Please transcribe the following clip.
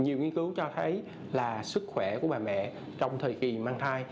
nhiều nghiên cứu cho thấy là sức khỏe của bà mẹ trong thời kỳ mang thai